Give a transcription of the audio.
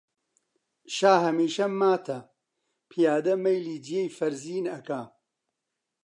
شا هەمیشە ماتە، پیادە مەیلی جێی فەرزین ئەکا